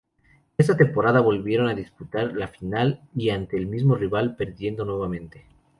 Esa temporada volvieron a disputar la final, y ante el mismo rival, perdiendo nuevamente.